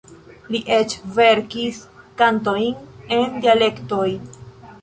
Li eĉ verkis kantojn en dialektoj.